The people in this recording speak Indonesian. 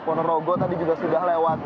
ponorogo tadi juga sudah lewat